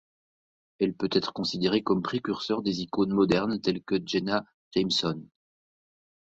Elle peut être considérée comme précurseur des icônes modernes telles que Jenna Jameson.